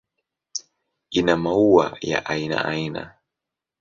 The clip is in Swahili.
Ina maua ya aina aina.